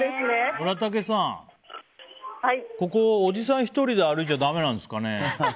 村武さん、ここはおじさん１人で歩いちゃだめなんですかね？